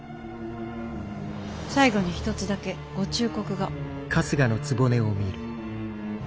最後に一つだけご忠告が。